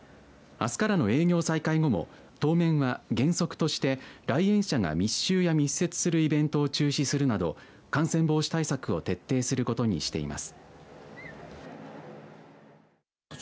あすからの営業再開後も当面は原則として来園者が密集や密接するイベントを中止するなど感染防止対策を徹底することにしています。